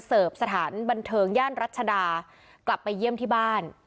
เสิร์ฟสถานบันเทิงย่านรัชดากลับไปเยี่ยมที่บ้าน